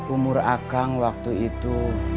umur akang waktu itu